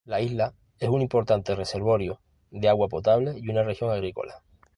La isla es un importante reservorio de agua potable y una región agrícola.